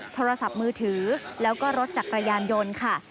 โทรศัพท์มือถือแล้วก็รถจักรยานยนต์ค่ะ